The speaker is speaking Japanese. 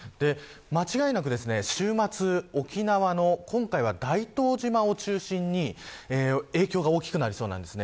間違いなく、週末沖縄の今回は大東島を中心に影響が大きくなりそうです。